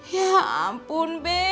ya ampun be